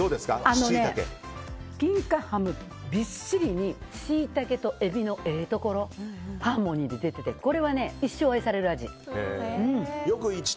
金華ハムびっしりにシイタケとエビのええところハーモニーで出ててこれはね、一生愛される味。